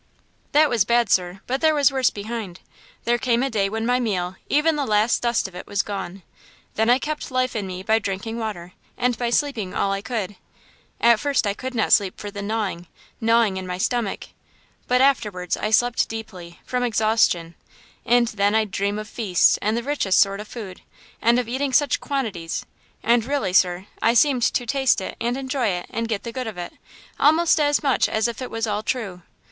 "That was bad, sir; but there was worse behind! There came a day when my meal, even the last dust of it, was gone. Then I kept life in me by drinking water and by sleeping all I could. At first I could not sleep for the gnawing–gnawing–in my stomach; but afterwards I slept deeply, from exhaustion, and then I'd dream of feasts and the richest sort of food, and of eating such quantities; and, really, sir, I seemed to taste it and enjoy it and get the good of it, almost as much as if it was all true!